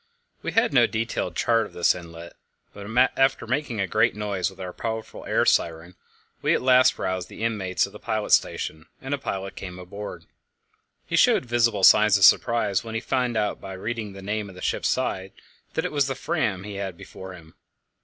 We had no detailed chart of this inlet, but after making a great noise with our powerful air siren, we at last roused the inmates of the pilot station, and a pilot came aboard. He showed visible signs of surprise when he found out, by reading the name on the ship's side, that it was the Fram he had before him.